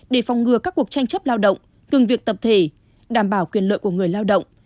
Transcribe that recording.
để phòng ngừa các cuộc tranh chấp lao động từng việc tập thể đảm bảo quyền lợi của người lao động